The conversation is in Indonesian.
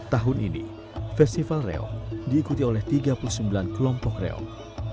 tahun ini festival reok diikuti oleh tiga puluh sembilan kelompok reok